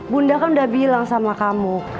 bunda kan udah bilang sama kamu